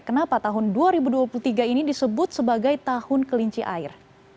kenapa tahun dua ribu dua puluh tiga ini disebut sebagai tahun kelinci air